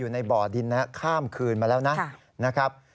ในบ่อดินข้ามคืนมาแล้วนะครับ